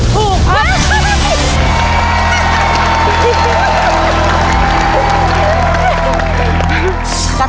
ถูกครับ